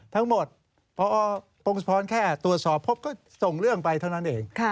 ทั้งหมดพอพงศธรแค่ตรวจสอบพบก็ส่งเรื่องไปเท่านั้นเอง